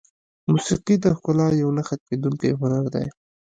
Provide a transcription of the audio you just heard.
موسیقي د ښکلا یو نه ختمېدونکی هنر دی.